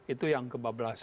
itu yang kebablasan